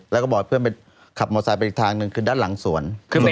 แล้วก็บอกให้เพื่อนไปขับมอไซค์ไปอีกทางหนึ่งคือด้านหลังสวน